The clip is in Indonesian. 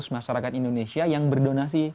masyarakat indonesia yang berdonasi